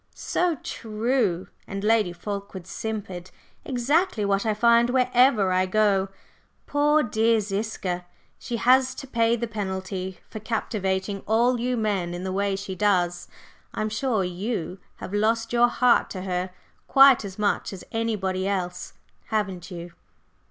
"So true," and Lady Fulkeward simpered. "Exactly what I find wherever I go! Poor dear Ziska! She has to pay the penalty for captivating all you men in the way she does. I'm sure you have lost your heart to her quite as much as anybody else, haven't you?"